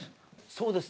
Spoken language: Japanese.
「そうです」